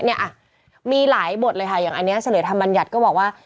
เนี่ยมีหลายบทเลยค่ะอย่างอันนี้เสนอธรรมบัญญัติก็บอกว่า